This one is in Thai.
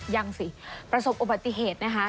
ยังสิประสบอุบัติเหตุนะคะ